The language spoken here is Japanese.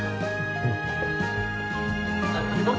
うん。